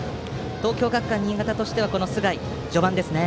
東京学館新潟としては須貝の序盤ですね。